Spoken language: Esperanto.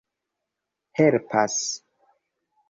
helpas